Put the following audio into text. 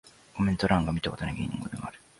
コメント欄が見たことない言語で埋まる